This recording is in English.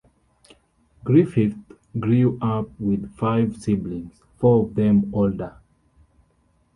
Griffith grew up with five siblings, four of them older.